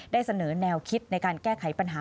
ได้เสนอแนวคิดในการแก้ไขปัญหา